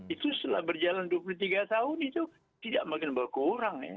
itu setelah berjalan dua puluh tiga tahun itu tidak makin berkurang ya